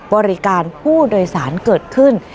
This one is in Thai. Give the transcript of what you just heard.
บริการผู้โดยสารเกิดขึ้น